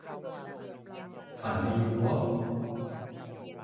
ฝันดีบ๊วบ